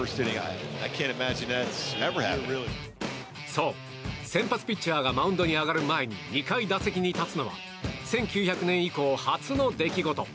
そう、先発ピッチャーがマウンドに上がる前に２回、打席に立つのは１９００年以降、初の出来事。